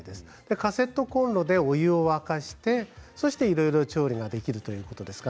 カセットコンロでお湯を沸かしていろいろ調理ができるということです。